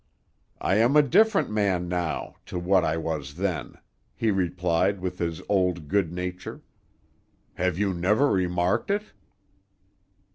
"I am a different man now to what I was then," he replied, with his old good nature. "Have you never remarked it?"